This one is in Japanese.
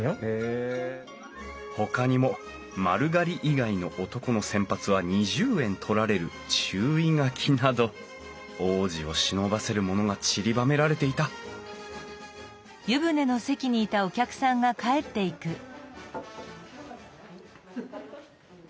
ほかにも丸刈り以外の男の洗髪は２０円取られる注意書きなど往事をしのばせるものがちりばめられていたハルさん。